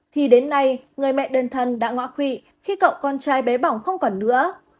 thì đến nay người mẹ đơn thân đã ngõ khuy khi cậu con trai bé bỏng không còn nữa